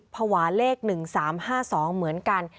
ภาวะเลข๑๓๕๒เหมือนกัน